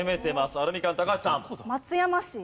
アルミカン高橋さん。